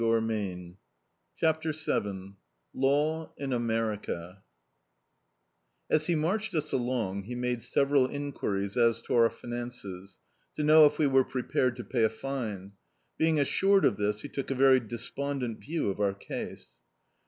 db, Google CHAPTER Vn LAW IN AMERICA AS he marched us along, he made several en quiries as to our finances, to know if we were prepared to pay a fine. Being as sured of this he took a very despondent view of our case.